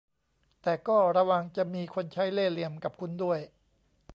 แต่ก็ระวังจะมีคนใช้เล่ห์เหลี่ยมกับคุณด้วย